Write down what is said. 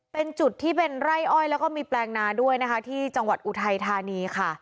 เป็นจุดที่เป็นไร่อ้อยแล้วก็มีแปลงนาด้วยนะคะที่จังหวัดอุทัยธานีค่ะ